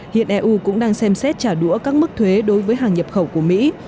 hiện eu cũng đang xem xét trả đũa các mức thuế đối với hàng nhập khẩu của mỹ